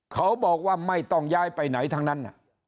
เขาบอกว่าไม่ต้องย้ายไปไหนทั้งนั้น